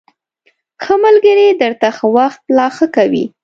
ښه ملگري درته ښه وخت لا ښه کوي